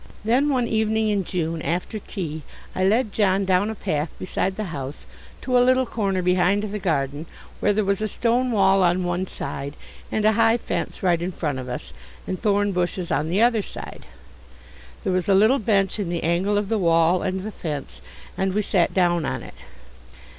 Then one evening in June after tea I led John down a path beside the house to a little corner behind the garden where there was a stone wall on one side and a high fence right in front of us, and thorn bushes on the other side. There was a little bench in the angle of the wall and the fence, and we sat down on it.